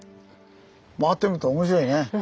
回ってみると面白いね。